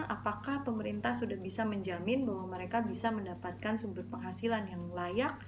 apakah pemerintah sudah bisa menjamin bahwa mereka bisa mendapatkan sumber penghasilan yang layak